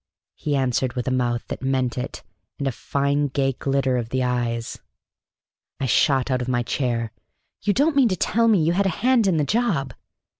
he answered, with a mouth that meant it, and a fine gay glitter of the eyes. I shot out of my chair. "You don't mean to tell me you had a hand in the job?"